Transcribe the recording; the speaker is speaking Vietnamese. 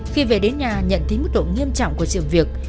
khi về đến nhà nhận thấy mức độ nghiêm trọng của sự việc